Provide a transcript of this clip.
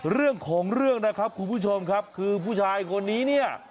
เรื่องของเรื่องนะครับคุณผู้ชมครับคือผู้ชายคนนี้เนี่ย